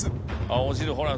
青汁ほら